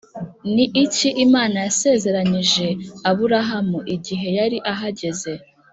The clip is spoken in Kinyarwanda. Ni iki Imana yasezeranyije Aburahamu igihe yari ahageze